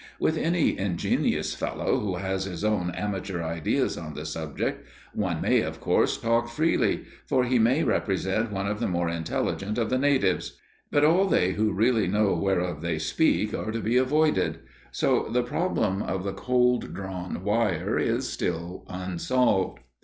With any ingenious fellow who has his own amateur ideas on the subject, one may, of course, talk freely; for he may represent one of the more intelligent of the natives; but all they who really know whereof they speak are to be avoided. So the problem of the cold drawn wire is still unsolved.